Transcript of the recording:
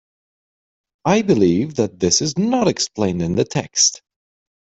I believe that this is not explained in the text.